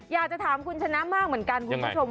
อยากจะถามคุณชนะมากเหมือนกันคุณผู้ชม